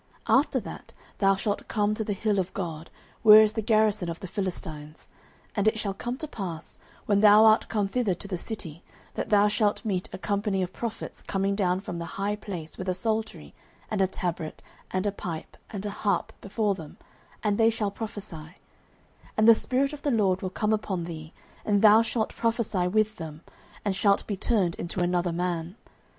09:010:005 After that thou shalt come to the hill of God, where is the garrison of the Philistines: and it shall come to pass, when thou art come thither to the city, that thou shalt meet a company of prophets coming down from the high place with a psaltery, and a tabret, and a pipe, and a harp, before them; and they shall prophesy: 09:010:006 And the Spirit of the LORD will come upon thee, and thou shalt prophesy with them, and shalt be turned into another man.